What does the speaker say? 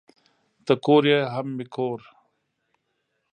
ته کور یې هم مې گور